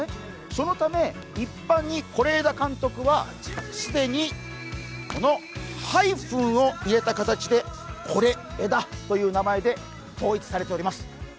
そのため、一般に是枝監督は既にこのハイフンを入れた形でＫＯＲＥ−ＥＤＡという名前で統一されております。